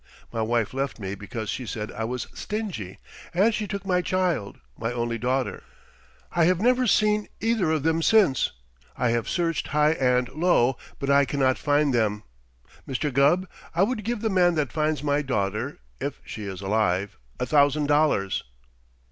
My wife left me because she said I was stingy, and she took my child my only daughter. I have never seen either of them since. I have searched high and low, but I cannot find them. Mr. Gubb, I would give the man that finds my daughter if she is alive a thousand dollars."